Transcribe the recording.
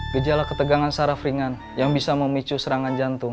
gejala ketegangan saraf ringan yang bisa memicu serangan jantung